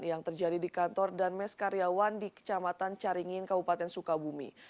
yang terjadi di kantor dan mes karyawan di kecamatan caringin kabupaten sukabumi